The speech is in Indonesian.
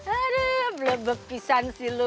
aduh bebek pisang sih lu